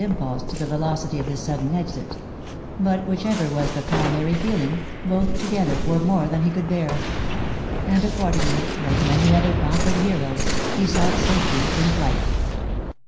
impulse to the velocity of this sadden exit ; bat whichever whs the primary feeling, both together were more than he could bear; and accordingly, like many other conquered heroes, he sought safety in flight.